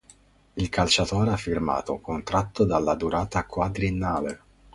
Il calciatore ha firmato un contratto dalla durata quadriennale.